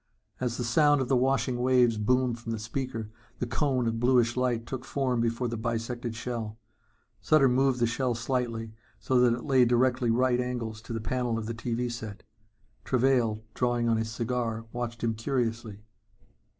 As the sound of the washing waves boomed from the speaker, the cone of bluish light took form before the bisected shell. Sutter moved the shell slightly so that it lay at directly right angles to the panel of the TV set. Travail, drawing on his cigar, watched him curiously.